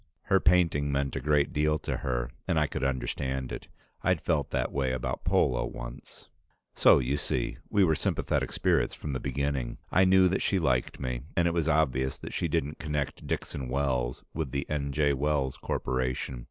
Her painting meant a great deal to her, and I could understand it. I'd felt that way about polo once. So you see, we were sympathetic spirits from the beginning. I knew that she liked me, and it was obvious that she didn't connect Dixon Wells with the N. J. Wells Corporation.